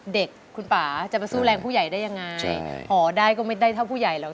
เด็กคุณป่าจะมาสู้แรงผู้ใหญ่ได้ยังไงพอได้ก็ไม่ได้เท่าผู้ใหญ่หรอก